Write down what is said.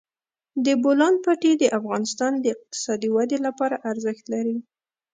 د بولان پټي د افغانستان د اقتصادي ودې لپاره ارزښت لري.